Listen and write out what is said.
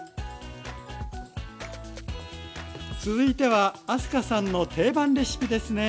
続いては明日香さんの定番レシピですね。